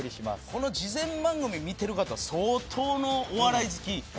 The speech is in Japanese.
この事前番組見てる方は相当のお笑い好き。